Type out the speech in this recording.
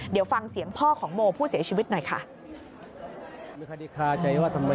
เดี๋ยวฟังเสียงพ่อของโมผู้เสียชีวิตหน่อยค่ะ